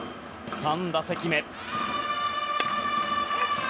３打席目。